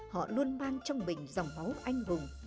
họ luôn mang trong mình dòng máu anh hùng